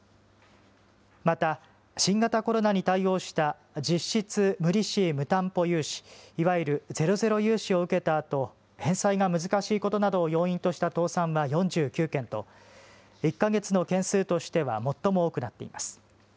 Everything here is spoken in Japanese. また新型コロナに対応した実質無利子・無担保融資、いわゆるゼロゼロ融資を受けたあと、返済が難しいことなどを要因とした倒産は４９件と、１か月の件数としては最も多くなっています。